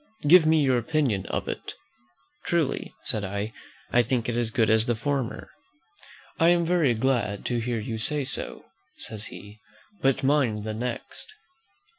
Give me your opinion of it." "Truly," said I, "I think it as good as the former." "I am very glad to hear you say so," says he; "but mind the next.